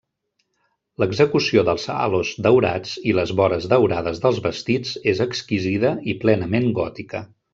L'execució dels halos daurats i les vores daurades dels vestits és exquisida i plenament gòtica.